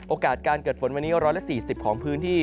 โอกาสการเกิดฝนวันนี้๑๔๐องศาเซียตของพื้นที่